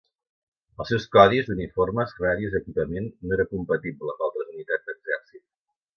Els seus codis, uniformes, ràdios, i equipament no era compatible amb altres unitats d'exèrcit.